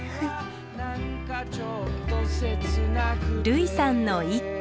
類さんの一句。